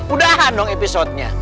udahan dong episode nya